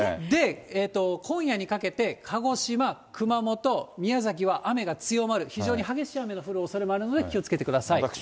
今夜にかけて鹿児島、熊本、宮崎は雨が強まる、非常に激しい雨の降るおそれがあるので、気をつけてください。